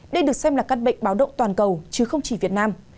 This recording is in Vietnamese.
đây được xem là căn bệnh báo động toàn cầu chứ không chỉ việt nam